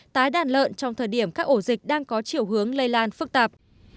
tái đàn lợn trong thời điểm các ổ dịch đang có chiều hướng lây lan phức tạp